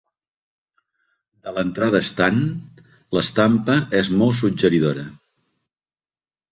De l'entrada estant, l'estampa és molt suggeridora.